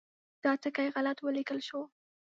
دا ټکی غلط ولیکل شو.